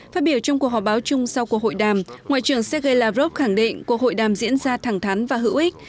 phát biểu trong cuộc họp báo chung sau cuộc hội đàm ngoại trưởng sergei lavrov khẳng định cuộc hội đàm diễn ra thẳng thắn và hữu ích